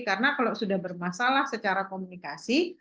karena kalau sudah bermasalah secara komunikasi